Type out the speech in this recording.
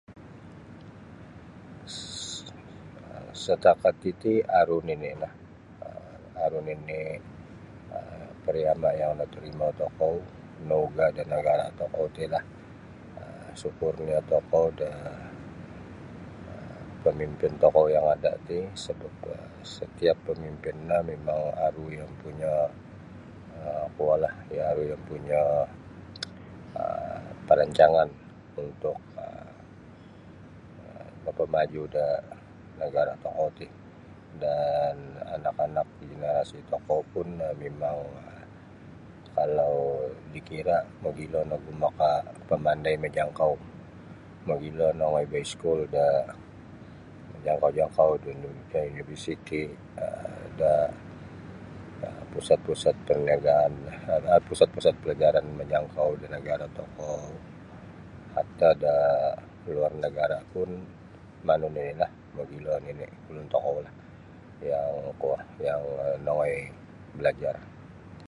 Ssatakat titi aru nini'lah um aru nini' um pariama' yang natarimo tokou naugah da nagara' tokou ti lah um sukur nio tokou da um pamimpin tokou yang ada' ti satiap pamimpin aru iyo ompunyo kuolah iyo aru iyo ompunyo um parancangan untuk mapamaju' da nagara' tokou dan anak-anak jenerasi tokou pun mimang kalau dikira' mogilo nogu makapamandai majangkau mogilo nongoi baiskul da majangkau jangkau da universiti um da pusat-pusat parniagaan pusat-pusat palajaran majangkau da nagara' tokou hatta da luar nagara' pun mogilo nini' ulun tokou yang kuo yang nongoi balajar.